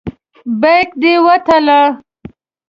بیک دې وتله.